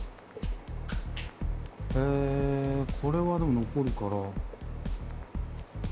えこれはでも残るから。